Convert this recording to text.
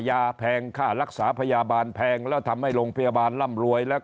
แพงค่ารักษาพยาบาลแพงแล้วทำให้โรงพยาบาลร่ำรวยแล้ว